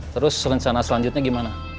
terus rencana selanjutnya gimana